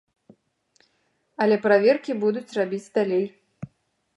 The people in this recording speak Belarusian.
Але праверкі будуць рабіць далей.